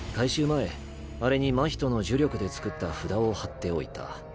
前あれに真人の呪力で作った札を貼っておいた。